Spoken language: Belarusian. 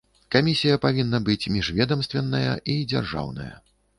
Камісія павінна быць міжведамственная і дзяржаўная.